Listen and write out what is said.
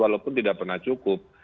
walaupun tidak pernah cukup